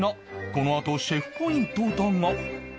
このあとシェフポイントだが